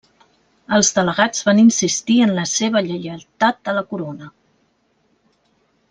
Els delegats van insistir en la seva lleialtat a la corona.